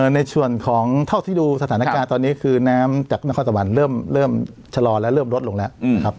ในส่วนของเท่าที่ดูสถานการณ์ตอนนี้คือน้ำจากนครสวรรค์เริ่มชะลอและเริ่มลดลงแล้วนะครับ